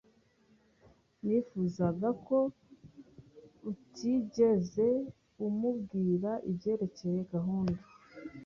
Nifuzaga ko utigeze umubwira ibyerekeye gahunda.